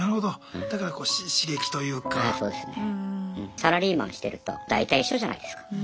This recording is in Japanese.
サラリーマンしてると大体一緒じゃないですか。